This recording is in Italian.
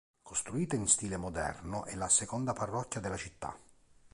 Costruita in stile moderno è la seconda Parrocchia della Città.